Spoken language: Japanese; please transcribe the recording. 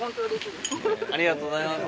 ありがとうございます。